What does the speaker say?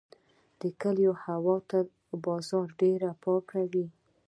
د کلیو هوا تر بازار ډیره پاکه وي.